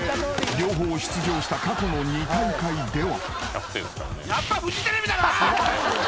［両方出場した過去の２大会では］